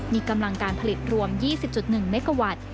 มีกำลังการผลิตรวม๒๐๑เมกาวัตต์